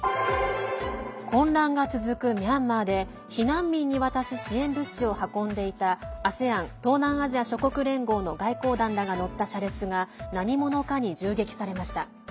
混乱が続くミャンマーで避難民に渡す支援物資を運んでいたＡＳＥＡＮ＝東南アジア諸国連合の外交団らが乗った車列が何者かに銃撃されました。